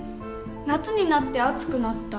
「夏になって暑くなった」